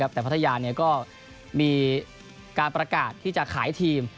แต่พัทยาก็มีการประกาศที่จะขายทีม